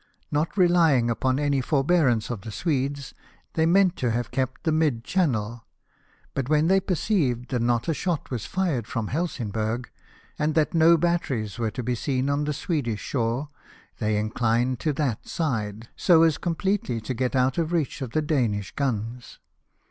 Not relying upon any forbearance of the Swedes, they meant to have kept the mid channel, but when they perceived that not a BATTLE OF COPENHAGEN. 223 shot was fired from Helsingburg, and that no batteries were to be seen on the Swedish shore, they indined to that side, so as completely to get out of reach of the Danish guns.